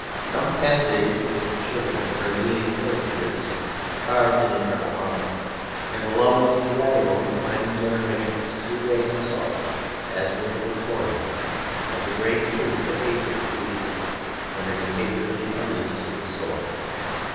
Some passages in the "Châtiments" are really caricatures carved in eternal marble. They will always be valuable in reminding generations too vague and soft, as were the Victorians, of the great truth that hatred is beautiful, when it is hatred of the ugliness of the soul.